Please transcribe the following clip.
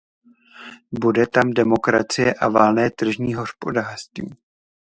Bude tam demokracie a volné tržní hospodářství.